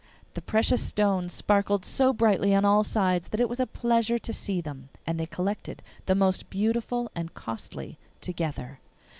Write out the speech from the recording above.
The precious stones sparkled so brightly on all sides that it was a pleasure to see them, and they collected the most beautiful and costly together.